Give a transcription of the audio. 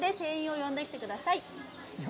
呼んできてください？